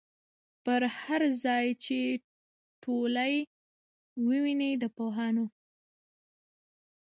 پر هر ځای چي ټولۍ وینی د پوهانو